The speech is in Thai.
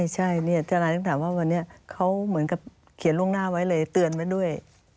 ใช่ทนายต้องถามว่าวันนี้เขาเหมือนกับเขียนล่วงหน้าไว้เลยเตือนไว้ด้วย